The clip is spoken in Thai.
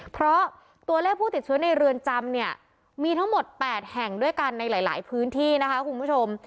เพราะตัวเลขผู้ติดเชื้อในเรือนจำเนี่ยมีทั้งหมด๘แห่งด้วยกันในหลายพื้นที่นะคะคุณผู้ชม